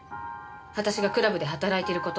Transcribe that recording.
私がクラブで働いている事。